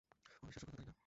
অবিশ্বাস্য কথা, তাই না?